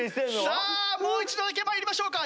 さあもう一度だけ参りましょうか。